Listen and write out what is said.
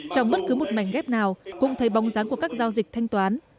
trong bất cứ một mảnh ghép nào cũng thấy bóng dáng của các giao dịch thanh toán